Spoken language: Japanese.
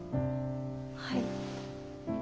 はい。